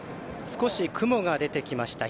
少し雲が出てきました。